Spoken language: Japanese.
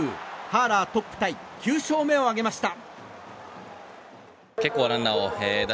ハーラートップタイ９勝目を上げました。